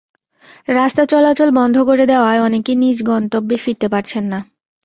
রাস্তা চলাচল বন্ধ করে দেওয়ায় অনেকে নিজ গন্তব্যে ফিরতে পারছেন না।